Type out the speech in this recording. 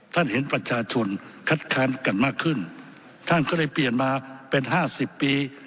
ท่านเห็นประชาชนคัดค้านกันมากขึ้นท่านก็เลยเปลี่ยนมาเป็นห้าสิบปี